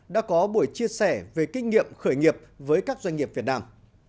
đã có buổi chia sẻ về kinh nghiệm khởi nghiệp với các doanh nghiệp việt nam